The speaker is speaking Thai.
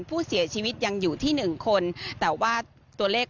ผู้เสียชีวิตยังอยู่ที่หนึ่งคนแต่ว่าตัวเลข